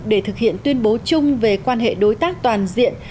để thực hiện tuyên bố chung về quan hệ đối tác toàn diện